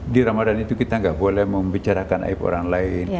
di ramadan itu kita nggak boleh membicarakan aib orang lain